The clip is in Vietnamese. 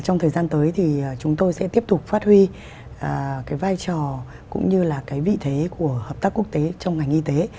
trong thời gian tới thì chúng tôi sẽ tiếp tục phát huy cái vai trò cũng như là cái vị thế của hợp tác quốc tế trong ngành y tế